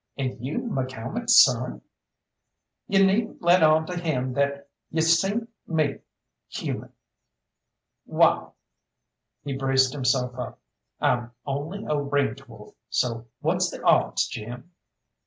"And you McCalmont's son!" "You needn't let on to him that y'u seen me human. Wall," he braced himself up, "I'm only a range wolf, so what's the odds, Jim?"